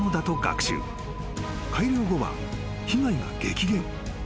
［改良後は被害が激減］